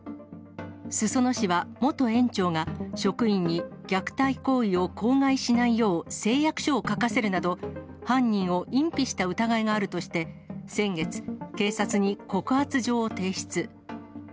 裾野市は元園長が、職員に虐待行為を口外しないよう誓約書を書かせるなど、犯人を隠避した疑いがあるとして、先月、警察に告発状を提出。